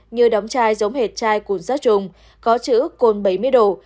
như đóng chai giống hệt chai côn sát trùng có chữ côn bảy mươi độ